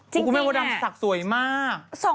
จริงแหละกูไม่มดดำศักดิ์สวยมาก